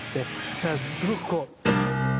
だからすごくこう。